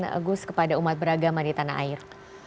apa pesan gus kepada umat beragama di tanah air